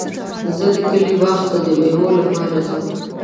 زه د کلي باغ ته د مېوو لپاره ځم.